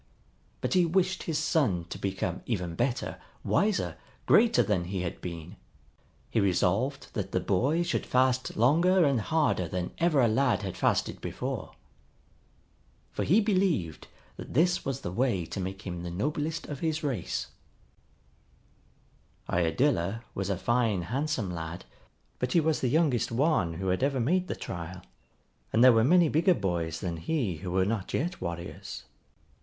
But he wished his son to become even better, wiser, greater than he had been. He resolved that the boy should fast longer and harder than ever a lad had fasted before. For he believed that this was the way to make him the noblest of his race. Iadilla was a fine handsome lad, but he was the youngest one who had ever made the trial, and there were many bigger boys than he who were not yet warriors.